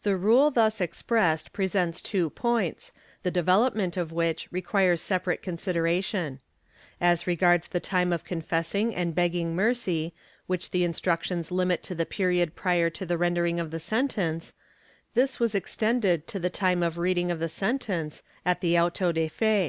^ The rule thus expressed presents two points, the development of which requires separate consideration. As regards the time of confessing and begging mercy, which the Instructions limit to the period prior to the rendering of the sentence, this was extended to the time of reading of the sentence at the auto de fe.